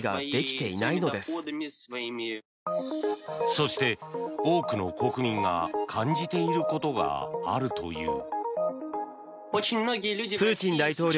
そして多くの国民が感じていることがあるという。